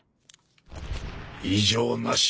異常なし。